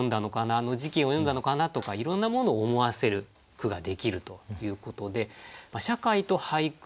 あの時期を詠んだのかなとかいろんなものを思わせる句ができるということで社会と俳句